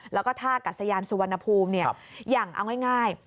แล้วก็ท่ากัศยานสุวรรณภูมิอย่างเอาง่าย